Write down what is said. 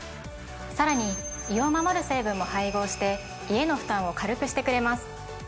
さらに胃を守る成分も配合して胃への負担を軽くしてくれます。